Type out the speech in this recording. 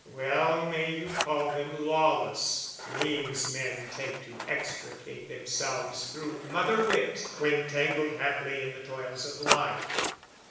Well may you call them "lawless," means men take To extricate themselves through mother wit When tangled haply in the toils of life!